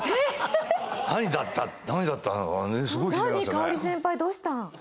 香織先輩どうした？